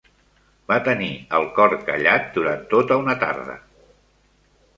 Va tenir el cor callat durant tota una tarda.